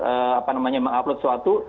mengatur apa namanya mengupload sesuatu